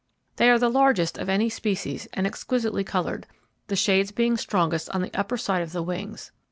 They are the largest of any species, and exquisitely coloured, the shades being strongest on the upper side of the wings.